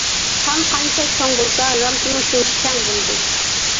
سان قانچە چوڭ بولسا، رامكىمۇ شۇنچە كەڭ بولىدۇ.